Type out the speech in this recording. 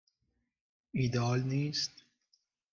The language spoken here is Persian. ایده عالی نیست؟